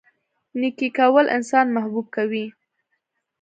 نیکي کول انسان محبوب کوي.